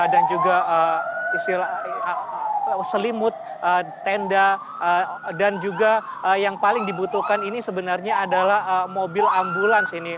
dan juga selimut tenda dan juga yang paling dibutuhkan ini sebenarnya adalah mobil ambulans ini